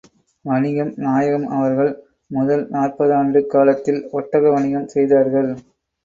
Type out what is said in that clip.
வணிகம் நாயகம் அவர்கள் முதல் நாற்பதாண்டுக் காலத்தில், ஒட்டக வணிகம் செய்தார்கள்.